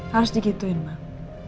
harus digituin mak